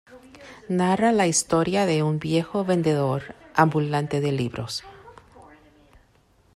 Narra la historia de un viejo vendedor ambulante de libros.